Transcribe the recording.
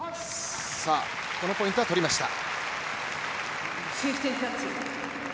このポイントは取りました。